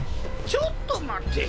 ちょっと待て。